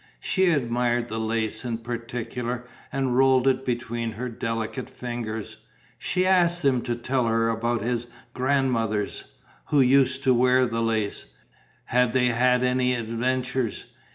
She admired the lace in particular and rolled it between her delicate fingers. She asked him to tell her about his grandmothers, who used to wear the lace: had they had any adventures?